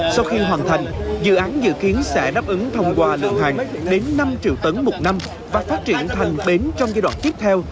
sau khi hoàn thành dự án dự kiến sẽ đáp ứng thông qua lượng hàng đến năm triệu tấn một năm và phát triển thành bến trong giai đoạn tiếp theo